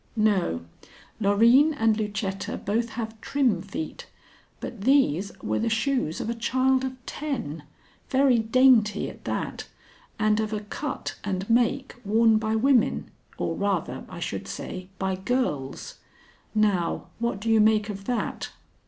"No, Loreen and Lucetta both have trim feet, but these were the shoes of a child of ten, very dainty at that, and of a cut and make worn by women, or rather, I should say, by girls. Now, what do you make of that?"